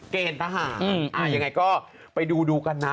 เกณฑ์ทหารยังไงก็ไปดูดูกันนะ